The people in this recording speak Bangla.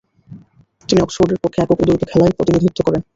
তিনি অক্সফোর্ডের পক্ষে একক ও দ্বৈত খেলায় প্রতিনিধিত্ব করেন।